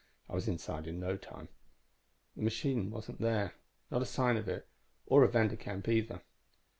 I was inside in no time. The machine wasn't there. Not a sign of it, or of Vanderkamp either.